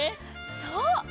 そう。